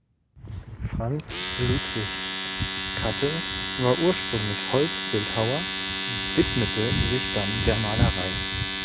Franz Ludwig Catel war ursprünglich Holzbildhauer, widmete sich dann der Malerei.